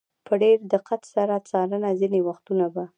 په ډېر دقت سره څاره، ځینې وختونه به.